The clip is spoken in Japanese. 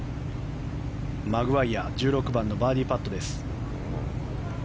マグワイヤ１６番のバーディーパットです。